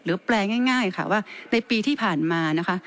แปลง่ายค่ะว่าในปีที่ผ่านมานะคะ